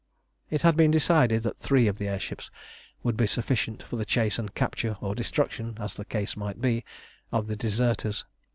It had been decided that three of the air ships would be sufficient for the chase and capture or destruction, as the case might be, of the deserters.